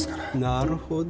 なるほど。